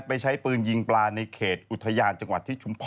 ไปใช้ปืนยิงปลาในเขตอุทยานจังหวัดที่ชุมพร